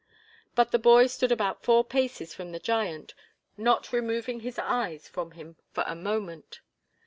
But the boy stood about four paces from the giant, not removing his eyes from him for a moment.